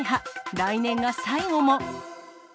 来年が最後も。